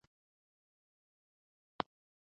دا پروژه د هېواد په بودیجه بشپړېږي.